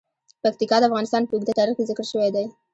پکتیکا د افغانستان په اوږده تاریخ کې ذکر شوی دی.